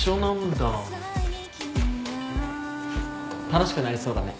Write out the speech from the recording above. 楽しくなりそうだね。